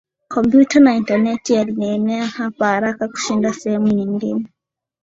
kompyuta na intaneti yalienea hapa haraka kushinda sehemu nyingine